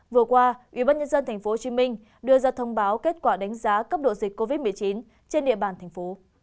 vừa qua ubnd tp hcm đưa ra thông báo kết quả đánh giá cấp độ dịch covid một mươi chín trên địa bàn thành phố